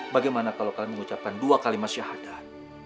bagaimana kalau kalian mengucapkan dua kalimat syahadat